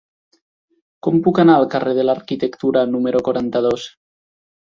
Com puc anar al carrer de l'Arquitectura número quaranta-dos?